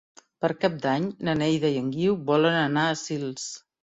Per Cap d'Any na Neida i en Guiu volen anar a Sils.